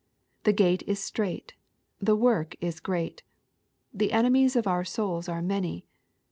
The gate is strait. The work is great. The enemies of our souls are many.